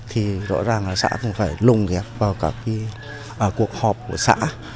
thì rõ ràng là xã cũng phải lồng ghép vào các cuộc họp của xã